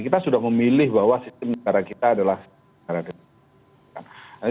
kita sudah memilih bahwa sistem negara kita adalah negara